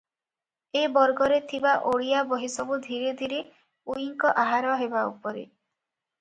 ଏ ବର୍ଗରେ ଥିବା ଓଡ଼ିଆ ବହିସବୁ ଧୀରେ ଧୀରେ ଉଇଙ୍କ ଆହାର ହେବା ଉପରେ ।